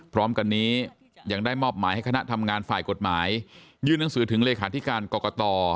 พร้อมกันนี้ยังได้มอบหมายให้คณะทำงานฝ่ายกฎหมายยื่นหนังสือถึงเลขาธิการกรกต